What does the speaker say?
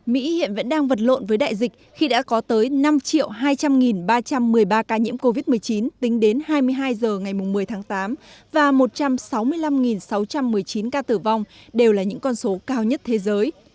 mỹ hiện vẫn đang vật lộn với đại dịch khi đã có tới năm hai trăm linh ba trăm một mươi ba ca nhiễm covid một mươi chín tính đến hai mươi hai h ngày một mươi tháng tám và một trăm sáu mươi năm sáu trăm một mươi chín ca tử vong đều là những con số cao nhất thế giới